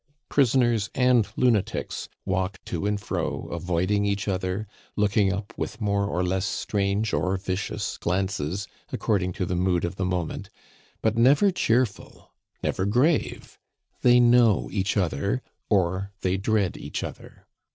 Prisoners and lunatics walk to and fro, avoiding each other, looking up with more or less strange or vicious glances, according to the mood of the moment, but never cheerful, never grave; they know each other, or they dread each other.